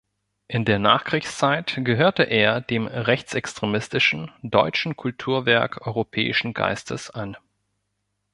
In der Nachkriegszeit gehörte er dem rechtsextremistischen Deutschen Kulturwerk Europäischen Geistes an.